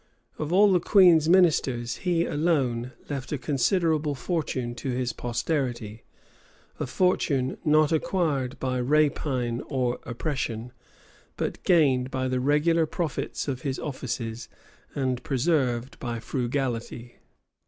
Of all the queen's ministers he alone left a considerable fortune to his posterity; a fortune not acquired by rapine or oppression, but gained by the regular profits of his offices, and preserved by frugality.